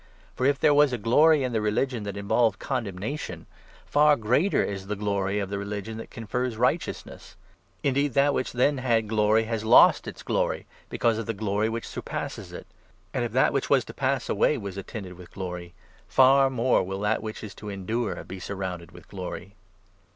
For, if there was a glory in the religion that 9 involved condemnation, far greater is the glory of the religion that confers righteousness ! Indeed, that which then had glory 10 has lost its glory, because of the glory which surpasses it. And, 1 1 if that which was to pass away was attended with glory, far more will that which is to endure be surrounded with glory